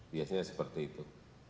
biasanya seperti itu